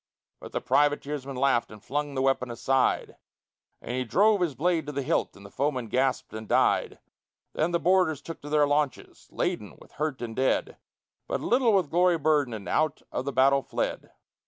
But the privateersman laughed, and flung the weapon aside, And he drove his blade to the hilt, and the foeman gasped and died. Then the boarders took to their launches, laden with hurt and dead, But little with glory burdened, and out of the battle fled.